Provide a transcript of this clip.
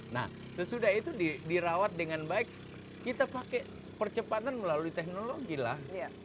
nah sesudah itu dirawat dengan baik kita pakai percepatan melalui teknologi lah